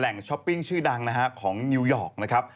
แหล่งช้อปปิ้งชื่อดังของนิวยอร์กนะครับ